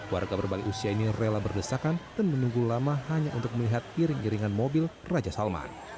warga berbagai usia ini rela berdesakan dan menunggu lama hanya untuk melihat piring iringan mobil raja salman